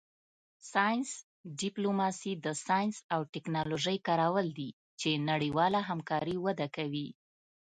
ساینس ډیپلوماسي د ساینس او ټیکنالوژۍ کارول دي چې نړیواله همکاري وده کوي